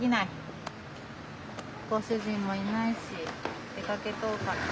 ご主人もいないし出かけとうから。